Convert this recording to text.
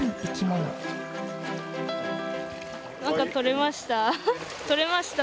何か取れました。